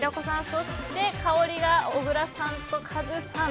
そして香りが小倉さんとカズさん。